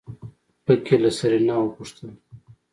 په کې له سېرېنا وپوښتل.